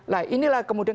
nah inilah kemudian